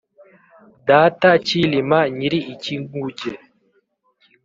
Data Cyilima nyiri Ikinguge